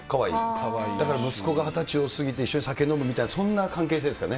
だから息子が２０歳を過ぎて一緒に酒飲むみたいな、そんな関係性ですかね。